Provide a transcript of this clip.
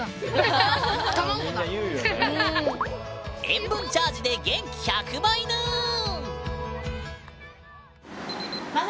塩分チャージで元気１００倍ぬん！